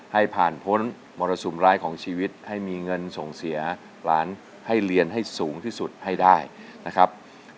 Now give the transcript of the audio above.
ให้ผ่านพ้นมรสุมร้ายของชีวิตให้มีเงินส่งเสียหลานให้เรียนให้สูงที่สุดให้ได้นะครับ